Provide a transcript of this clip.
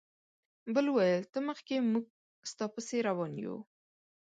بل وویل ته مخکې موږ ستا پسې روان یو.